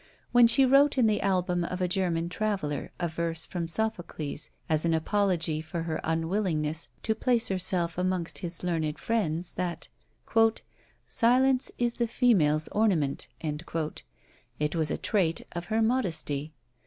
When she wrote in the album of a German traveller a verse from Sophocles as an apology for her unwillingness to place herself among his learned friends, that "Silence is the female's ornament," it was a trait of her modesty.